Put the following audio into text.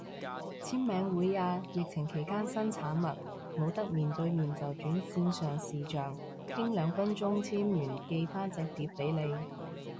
簽名會啊，疫情期間新產物，冇得面對面就轉線上視象，傾兩分鐘簽完寄返隻碟俾你